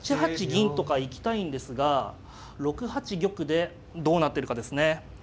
銀とか行きたいんですが６八玉でどうなってるかですね。